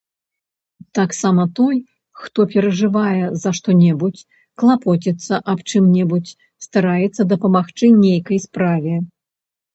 Таксама той, хто перажывае за што-небудзь, клапоціцца аб чым-небудзь, стараецца дапамагчы нейкай справе.